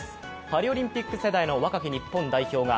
パリオリンピック世代の若き日本代表が